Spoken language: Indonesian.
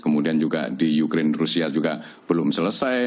kemudian juga di ukraine rusia juga belum selesai